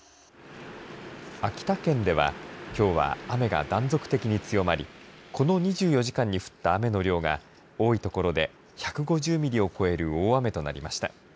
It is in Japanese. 秋田県ではきょうは雨が断続的に強まりこの２４時間に降った雨の量が多いところで１５０ミリを超える大雨となりました。